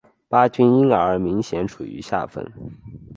巴军因而明显处于下风。